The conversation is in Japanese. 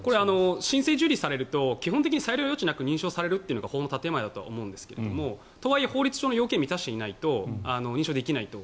申請が受理されると裁量の余地なく認証されるというのが法の建前だとは思いますが法律上の要件を満たしていないと認められないと。